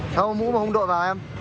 sao mũi mà không đội vào em